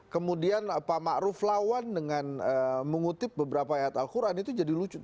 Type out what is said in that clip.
kemudian pak ma'ruf lawan dengan mengutip beberapa ayat al quran itu jadi lucu